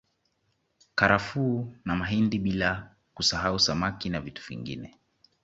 Karafuu na mahindi bila kusasahu samaki na vitu vingine